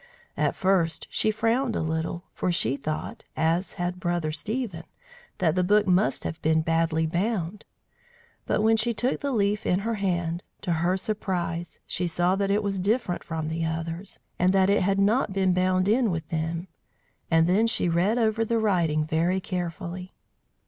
At first she frowned a little, for she thought, as had Brother Stephen, that the book must have been badly bound. But when she took the leaf in her hand, to her surprise, she saw that it was different from the others, and that it had not been bound in with them; and then she read over the writing very carefully.